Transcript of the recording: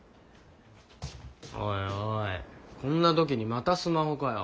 おいおいこんな時にまたスマホかよ。